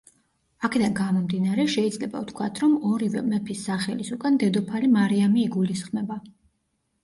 აქედან გამომდინარე, შეიძლება ვთქვათ, რომ ორივე მეფის სახელის უკან დედოფალი მარიამი იგულისხმება.